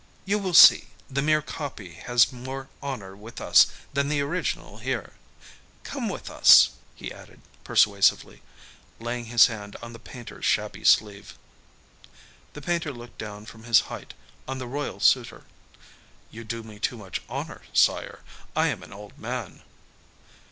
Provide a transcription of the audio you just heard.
You will see; the mere copy has more honor with us than the original here. Come with us," he added persuasively, laying his hand on the painter's shabby sleeve. The painter looked down from his height on the royal suitor. "You do me too much honor, sire. I am an old man."